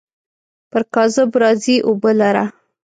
پر کاذب راځي اوبو لره.